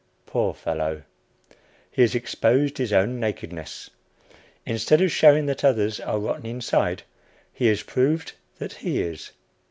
Poor fellow! he has exposed his own nakedness. Instead of showing that others are rotten inside, he has proved that he is.